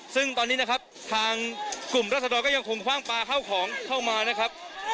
ซึ่งตอนนี้นะครับทางกลุ่มรัศดรก็ยังคงคว่างปลาเข้าของเข้ามานะครับ